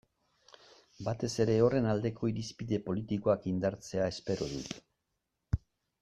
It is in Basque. Batez ere horren aldeko irizpide politikoak indartzea espero dut.